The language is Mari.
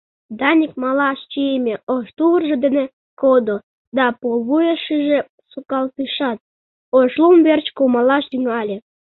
Даник малаш чийыме ош тувыржо дене кодо да пулвуешыже сукалтышат, Ошлум верч кумалаш тӱҥале: